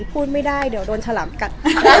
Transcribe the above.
พูดไม่ได้เดี๋ยวโดนฉลามกัด